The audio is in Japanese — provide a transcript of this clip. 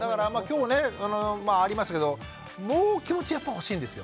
今日ねありましたけどもう気持ちやっぱ欲しいんですよ。